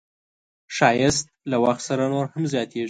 ښایست له وخت سره نور هم زیاتېږي